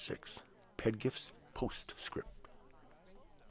PEDGIFT'S POSTSCRIPT.